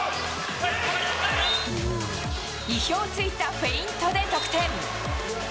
意表をついたフェイントで得点。